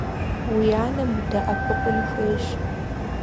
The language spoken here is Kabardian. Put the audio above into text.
Уи анэм удэӏэпыкъун хуейщ.